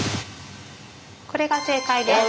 これが正解です。